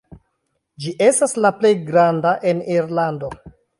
Ĝi estas la plej granda en Irlando.